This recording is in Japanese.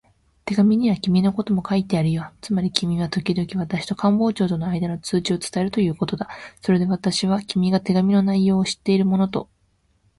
手紙には君のことも書いてあるよ。つまり君はときどき私と官房長とのあいだの通知を伝えるということだ。それで私は、君が手紙の内容を知っているものと